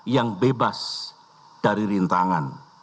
yang bebas dari rintangan